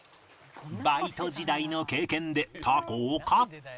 バイト時代の経験でタコをカット